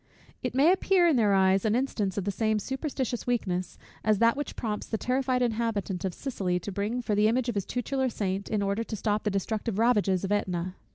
It may appear in their eyes an instance of the same superstitious weakness, as that which prompts the terrified inhabitant of Sicily to bring for the image of his tutelar saint, in order to stop the destructive ravages of Ætna.